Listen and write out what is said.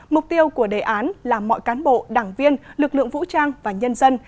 mục tiêu của đề án là mọi cán bộ đảng viên lực lượng vũ trang và nhân dân